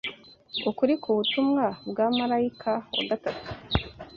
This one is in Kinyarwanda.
ukuri k’ubutumwa bwa marayika wa gatatu.